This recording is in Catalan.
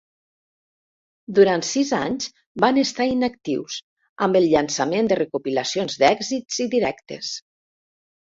Durant sis anys van estar inactius, amb el llançament de recopilacions d'èxits i directes.